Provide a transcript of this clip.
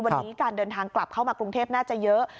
วันนี้การเดินทางกลับเข้ามากรุงเทพน่าจะเยอะ